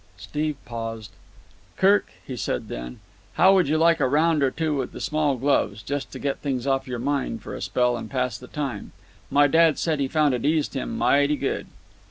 Steve paused. "Kirk," he said then, "how would you like a round or two with the small gloves, just to get things off your mind for a spell and pass the time? My dad said he found it eased him mighty good."